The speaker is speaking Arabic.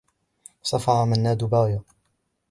صفع منّاد باية.